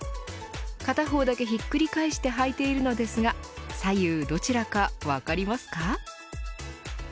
片方だけひっくり返して履いているのですが左右どちらか分かりますか。